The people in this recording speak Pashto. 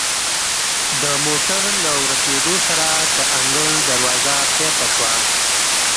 د موټر له ورو کیدو سره د انګړ دروازه بیرته شوه.